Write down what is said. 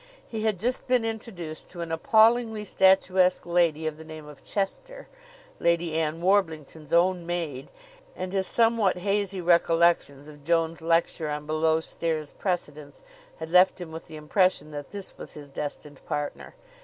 He had just been introduced to an appallingly statuesque lady of the name of Chester, Lady Ann Warblington's own maid, and his somewhat hazy recollections of Joan's lecture on below stairs precedence had left him with the impression that this was his destined partner.